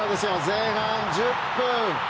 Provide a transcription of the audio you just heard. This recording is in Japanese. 前半１０分。